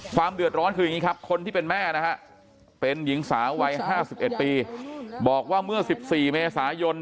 ความเดือดร้อนคืออย่างนี้ครับคนที่เป็นแม่นะฮะเป็นหญิงสาววัย๕๑ปีบอกว่าเมื่อ๑๔เมษายน